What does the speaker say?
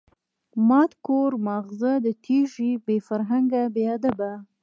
ماټ کور ماغزه د تیږی، بی فرهنگه بی ادبه